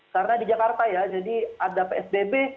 karena di jakarta ya jadi ada psbb